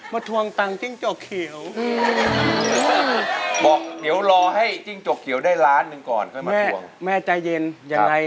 เป็นคำว่า๑๐เหม็งแหละ